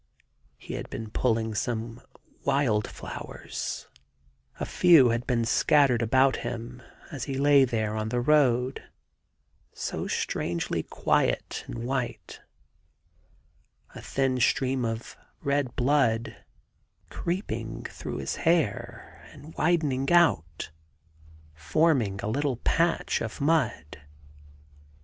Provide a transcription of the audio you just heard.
He had been pulling some wildflowers — a few had been scattered about him as he lay there on the road, so strangely quiet and white, a thin stream of red blood creeping through 87 THE GARDEN GOD his hair and widening out, forming a little patch of mud.